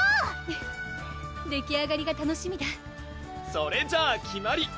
フフできあがりが楽しみだそれじゃあ決まり！